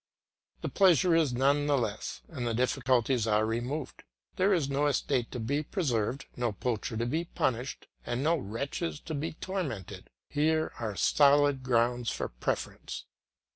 The pleasure is none the less, and the difficulties are removed; there is no estate to be preserved, no poacher to be punished, and no wretches to be tormented; here are solid grounds for preference.